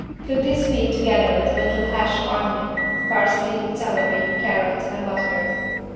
Cook this meat together with a little hash of onion, parsley, celery, carrot and butter.